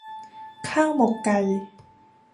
ข้าวหมกไก่